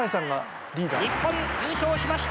日本優勝しました！